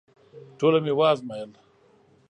ټوله مي وازمایل …